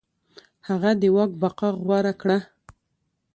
هغه د واک بقا غوره کړه.